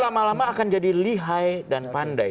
lama lama akan jadi lihai dan pandai